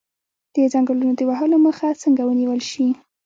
د ځنګلونو د وهلو مخه څنګه ونیول شي؟